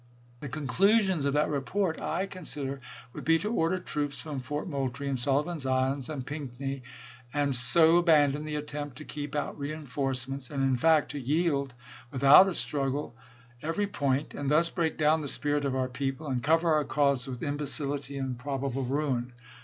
' The conclusions ' of that report I consider would be to order troops from Fort Moul trie and Sullivan's Island and Pinckney, and so abandon the attempt to keep out reenforcements, and, in fact, to yield without a struggle every point, and thus break down the spirit of our peo ple, and cover our cause with imbecility and prob able ruin.